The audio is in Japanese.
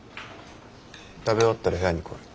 食べ終わったら部屋に来い。